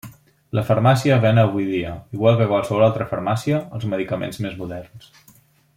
La farmàcia ven avui dia, igual que qualsevol altra farmàcia, els medicaments més moderns.